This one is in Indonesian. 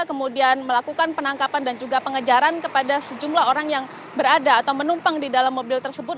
kemudian melakukan penangkapan dan juga pengejaran kepada sejumlah orang yang berada atau menumpang di dalam mobil tersebut